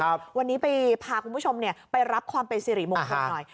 วันนี้ไปพาคุณผู้ชมเนี่ยไปรับความเป็นสิริมงคลหน่อย